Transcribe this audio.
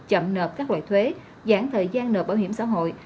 chậm nợp các loại thuế giãn thời gian nợp bảo hiểm xã hội